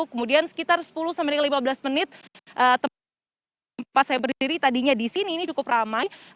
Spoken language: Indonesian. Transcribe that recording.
kemudian sekitar sepuluh sampai lima belas menit tempat saya berdiri tadinya di sini ini cukup ramai